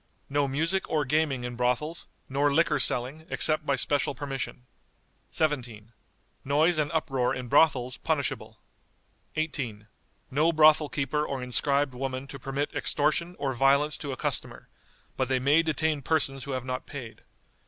No music or gaming in brothels, nor liquor selling, except by special permission." "17. Noise and uproar in brothels punishable." "18. No brothel keeper or inscribed woman to permit extortion or violence to a customer, but they may detain persons who have not paid.